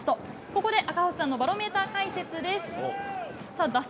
ここで赤星さんのバロメーター解説です。